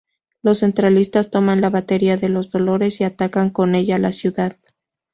Los centralistas toman la batería de Los Dolores y atacan con ella la ciudad.